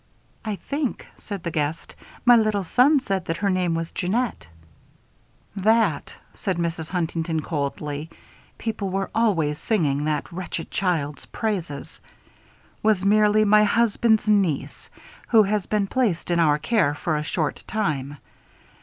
"I think," said the guest, "my little son said that her name was Jeannette." "That," said Mrs. Huntington, coldly (people were always singing that wretched child's praises), "was merely my husband's niece, who has been placed in our care for a short time.